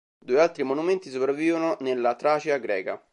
Due altri monumenti sopravvivono nella Tracia greca.